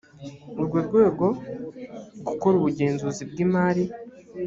urwo rwego gukora ubugenzuzi bw imari